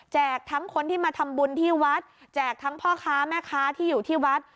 ทั้งคนที่มาทำบุญที่วัดแจกทั้งพ่อค้าแม่ค้าที่อยู่ที่วัด